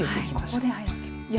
はいここで入るわけですね。